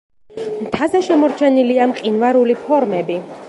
მთაზე შემორჩენილია მყინვარული ფორმები.